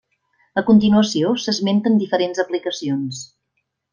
A continuació s'esmenten diferents aplicacions.